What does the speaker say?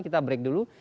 kita break dulu